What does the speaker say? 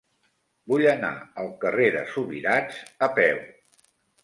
Vull anar al carrer de Subirats a peu.